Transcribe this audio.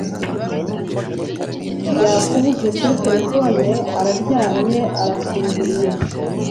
yakubuze kuri telephone, uraryamye urasinziriye